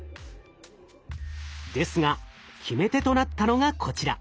ですが決め手となったのがこちら。